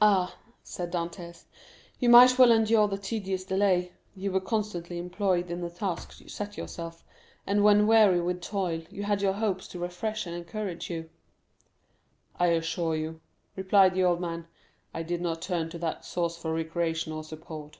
"Ah," said Dantès, "you might well endure the tedious delay; you were constantly employed in the task you set yourself, and when weary with toil, you had your hopes to refresh and encourage you." "I assure you," replied the old man, "I did not turn to that source for recreation or support."